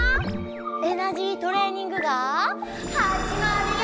エナジートレーニングがはじまるよ！